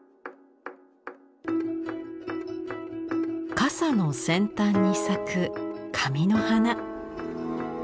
傘の先端に咲く紙の花。